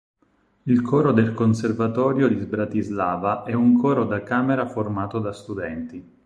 Il Coro del Conservatorio di Bratislava è un coro da camera formato da studenti.